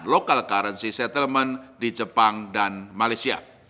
local currency settlement di jepang dan malaysia